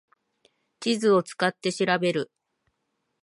地図を使って調べる